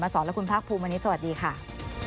สวัสดีครับ